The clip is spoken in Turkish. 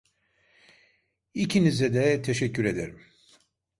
İkinize de teşekkür ederim.